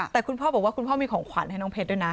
แต่คุณพ่อบอกว่าคุณพ่อมีของขวัญให้น้องเพชรด้วยนะ